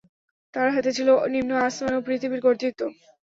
তার হাতে ছিল নিম্ন আসমান ও পৃথিবীর কর্তৃত্ব।